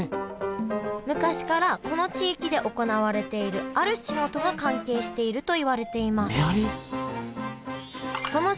昔からこの地域で行われているある仕事が関係しているといわれていますめはり！？